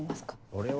俺は。